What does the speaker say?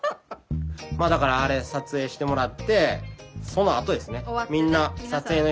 まあだからあれ撮影してもらってそのあとですね。